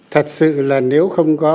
thật sự là nếu không có